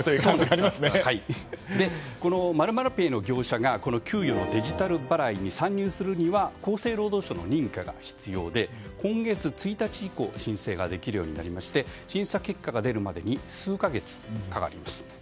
○○Ｐａｙの業者が給与のデジタル払いに参入するには厚生労働省の認可が必要で今月１日以降申請ができるようになりまして審査結果が出るまでに数か月かかります。